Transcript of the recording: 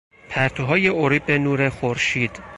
پرتوهای اریب نور خورشید